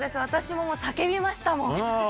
私も叫びましたもん。